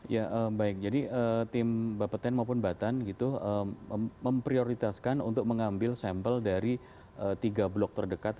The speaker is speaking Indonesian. ya baik jadi tim bapeten maupun batan gitu memprioritaskan untuk mengambil sampel dari tiga blok terdekat